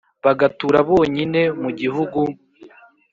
bagatura bonyine mu gihugu!